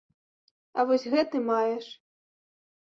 А вось гэты маеш.